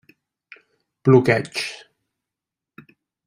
Bloqueig: